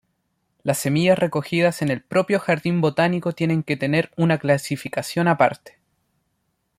Las semillas recogidas en el propio jardín botánico tienen que tener una clasificación aparte.